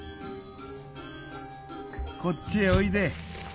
こっちへおいで。